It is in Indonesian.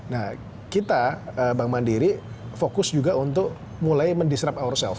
nah kita bank mandiri fokus juga untuk mulai mendisrup ourself